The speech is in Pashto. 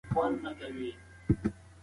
تاسې ولې مسواک نه کاروئ؟